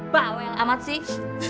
bawel amat sih